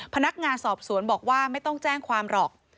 พนักงานสอบสวนบอกว่าไม่ต้องแจ้งความหรอก